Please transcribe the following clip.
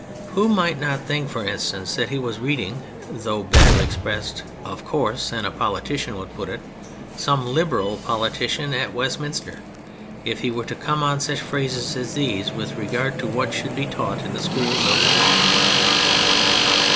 Who might not think, for instance, that he was reading — though better expressed, of course, than a politician could put it — some " Liberal" politician at Westminster, if he were to come on such phrases as these with regard to what should be taught in the schools of the country